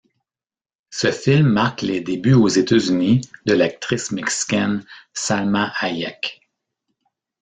Ce film marque les débuts aux États-Unis de l'actrice mexicaine Salma Hayek.